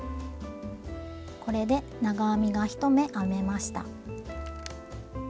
これで長編みが１目編めました。